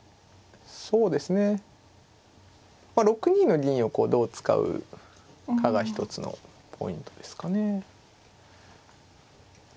そうですね６二の銀をどう使うかが一つのポイントですかね。